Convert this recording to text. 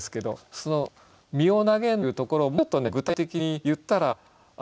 その「身を投げん」というところをもうちょっとね具体的に言ったらあ